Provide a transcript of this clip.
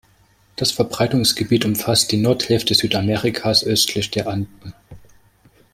Das Verbreitungsgebiet umfasst die Nordhälfte Südamerikas östlich der Anden.